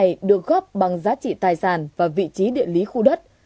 này được góp bằng giá trị tài sản và vị trí địa lý khu đất